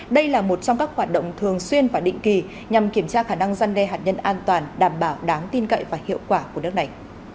đây là một trong các hoạt động thường xuyên và định kỳ nhằm kiểm tra khả năng dân đe hạt nhân an toàn đảm bảo đáng tin cậy và hiệu quả của nước này